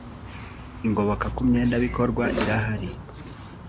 ingoboka ku myenda bikorwa irahari